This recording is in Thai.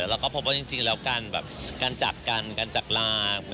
และพบว่าจริงแล้วกันการจักกันการจักราก